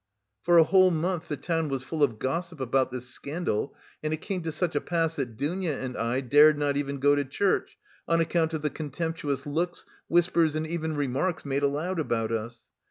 For a whole month the town was full of gossip about this scandal, and it came to such a pass that Dounia and I dared not even go to church on account of the contemptuous looks, whispers, and even remarks made aloud about us.